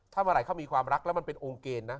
ถ้าเมื่อไหร่เขามีความรักแล้วมันเป็นองค์เกณฑ์นะ